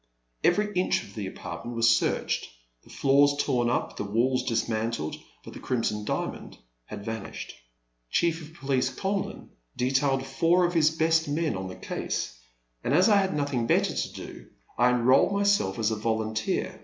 Every inch of the apartment was searched, the floors torn up, the walls dis mantled, but the Crimson Diamond had van ished. Chief of Police Conlin detailed four of his best men on the case, and as I had nothing better to do, I enrolled myself as a volunteer.